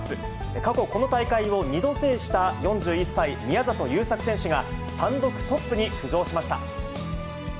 過去この大会を２度制した、４１歳、宮里優作選手が、単独トップに浮上しました。